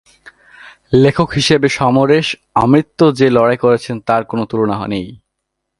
লেখক হিসেবে সমরেশ আমৃত্যু যে লড়াই করেছেন, তার কোনো তুলনা নেই।